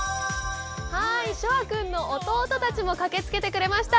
翔海君の弟たちも駆けつけてくれました。